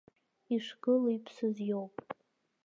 Ишгылоу иԥсыз иоуп!